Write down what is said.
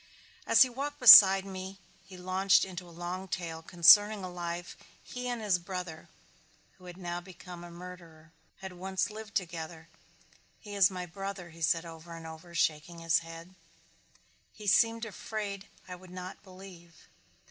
As he walked beside me he launched into a long tale concerning a life he and his brother, who had now become a murderer, had once lived together. "He is my brother," he said over and over, shaking his head. He seemed afraid I would not believe.